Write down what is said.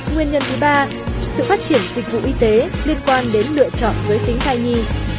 nguyên nhân thứ ba sự phát triển dịch vụ y tế liên quan đến lựa chọn giới tính thai nhi